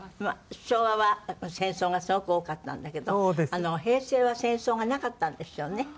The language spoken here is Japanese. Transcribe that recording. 昭和は戦争がすごく多かったんだけど平成は戦争がなかったんですよね。